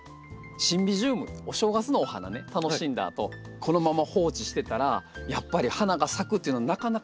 シンビジウムお正月のお花ね楽しんだあとこのまま放置してたらやっぱり花が咲くっていうのなかなか少ないんです。